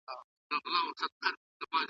جهالت ته وکتل او د ا غزل مي ولیکل ,